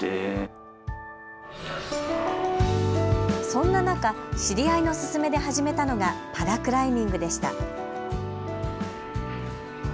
そんな中、知り合いの勧めで始めたのがパラクライミングでした。